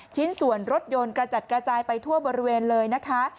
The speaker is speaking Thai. ชิ้นส่วนรถยนต์กระจัดกระจายไปทั่วบริเวณเลยนะคะ